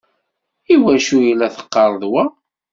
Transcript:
I wacu i la teqqareḍ wa?